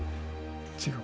「違う。